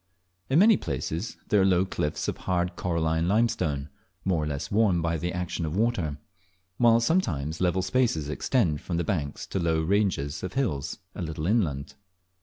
In many places there are low cliffs of hard coralline limestone, more or less worn by the action of water; while sometimes level spaces extend from the banks to low ranges of hills a little inland.